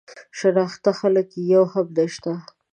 شناخته خلک یې یو هم نه شته.